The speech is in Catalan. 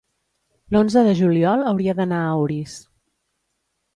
l'onze de juliol hauria d'anar a Orís.